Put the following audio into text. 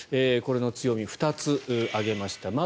これの強みを２つ挙げました。